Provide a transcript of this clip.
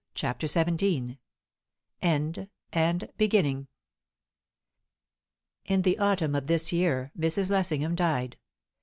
CHAPTER XVII END AND BEGINNING In the autumn of this year, Mrs. Lessingham died.